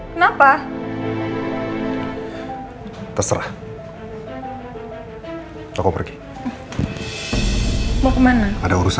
sejak kamu bersuara serba bekerja dengan aku akuamin jalan sama kamu di situ